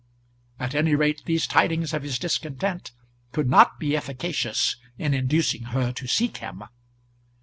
At any rate, these tidings of his discontent could not be efficacious in inducing her to seek him.